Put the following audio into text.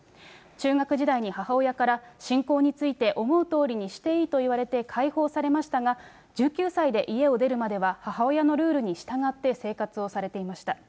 中学時代に母親から、信仰について思うとおりにしていいと言われて解放されましたが、１９歳で家を出るまでは母親のルールに従って生活をされていました。